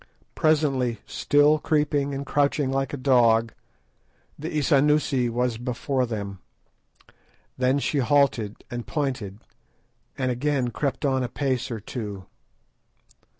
Presently, still creeping and crouching like a dog, the Isanusi was before them. Then she halted and pointed, and again crept on a pace or two.